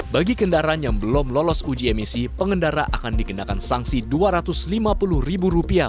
bagi kendaraan yang belum lolos uji emisi pengendara akan dikenakan sanksi rp dua ratus lima puluh